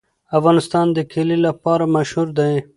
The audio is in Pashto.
افغانستان د کلي لپاره مشهور دی.